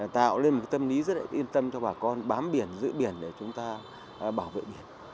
tạo lên một tâm lý rất yên tâm cho bà con bám biển giữ biển để chúng ta bảo vệ biển